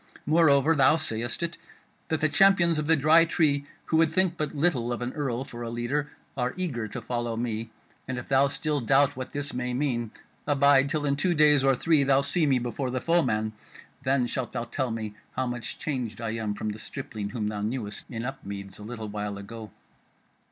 Moreover, thou sayest it that the champions of the Dry Tree, who would think but little of an earl for a leader, are eager to follow me: and if thou still doubt what this may mean, abide, till in two days or three thou see me before the foeman. Then shalt thou tell me how much changed I am from the stripling whom thou knewest in Upmeads a little while ago."